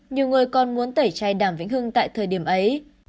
nhiều người còn muốn tẩy chai đàm vĩnh hương tại thời điểm ấy